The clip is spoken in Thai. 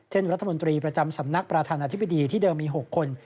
รัฐมนตรีประจำสำนักประธานาธิบดีที่เดิมมี๖คน